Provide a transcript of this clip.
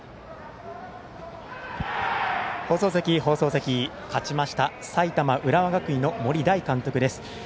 放送席、勝ちました埼玉・浦和学院の森大監督です。